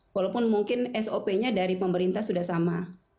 walaupun mungkin sop nya dari pemerintah sudah sama